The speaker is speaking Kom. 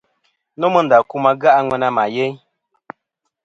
Nomɨ ndà kum age' a ŋwena mà yeyn.